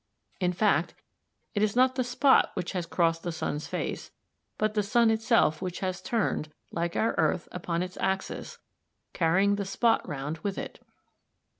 In fact, it is not the spot which has crossed the sun's face, but the sun itself which has turned, like our earth, upon its axis, carrying the spot round with it.